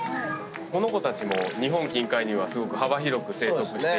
この子たちも日本近海にはすごく幅広く生息している魚で。